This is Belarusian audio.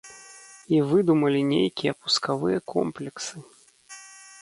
І выдумалі нейкія пускавыя комплексы!